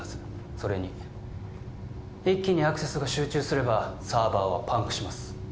それに一気にアクセスが集中すればサーバーはパンクします